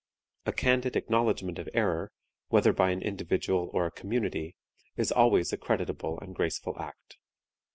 A candid acknowledgment of error, whether by an individual or a community, is always a creditable and graceful act.